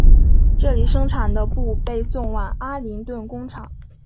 这里生产的布被送往阿灵顿工厂。